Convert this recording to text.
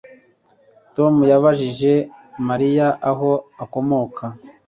Tom yabajije Mariya aho akomoka